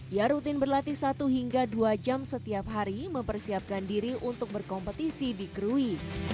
ia rutin berlatih satu hingga dua jam setiap hari mempersiapkan diri untuk berkompetisi di krui